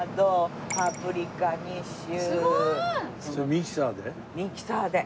ミキサーで。